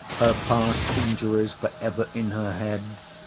Her past injuries for ever in her head.